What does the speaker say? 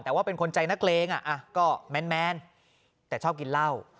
แต่ว่าเป็นคนใจนักเลงก็แมนแต่ชอบกินเหล้า